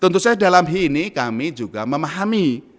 tentu saja dalam hal ini kami juga memahami